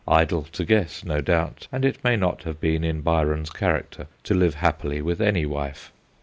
Idle to guess, no doubt, and it may not have been in Byron's character to live happily with any wife.